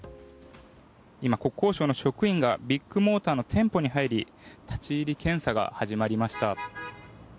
今、国交省の職員がビッグモーターの店舗に入り立ち入り検査が始まりました。